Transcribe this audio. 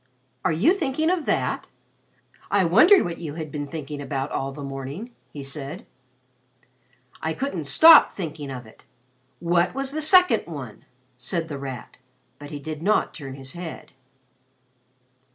"Are you thinking of that? I wondered what you had been thinking of all the morning," he said. "I couldn't stop thinking of it. What was the second one?" said The Rat, but he did not turn his head.